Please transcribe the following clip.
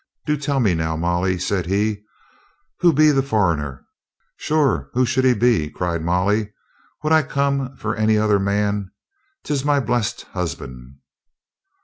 "Do 'e tell, now, Molly," said he, "who be the furriner?" "Sure, who should he be?" cried Molly. "Would I come for any other man? 'Tis my blessed hus band."